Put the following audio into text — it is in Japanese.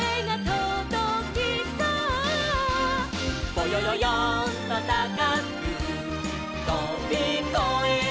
「ぼよよよんとたかくとびこえてゆこう」